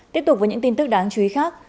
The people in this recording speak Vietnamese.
tiếp tục với những tin tức đáng chú ý khác